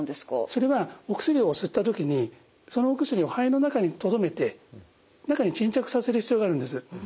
それはお薬を吸った時にそのお薬を肺の中にとどめて中に沈着させる必要があるんです。